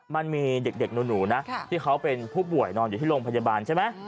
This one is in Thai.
มันมีเด็กหนูนะที่เขาเป็นผู้ป่วยนอนอยู่ที่โรงพยาบาลใช่ไหม